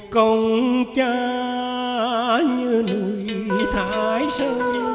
công cha như lùi thái sơ